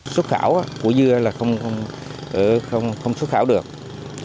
số khảo của dưa là không số khảo được